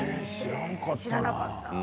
知らんかった。